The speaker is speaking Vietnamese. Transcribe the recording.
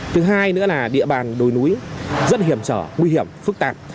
thứ hai nữa là địa bàn đồi núi rất hiểm trở nguy hiểm phức tạp